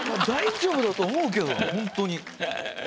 大丈夫だと思うけどほんとに。